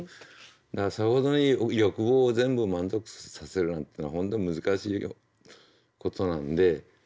だからさほどに欲望を全部満足させるなんていうのは本当難しいことなんで。